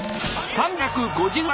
３５０万！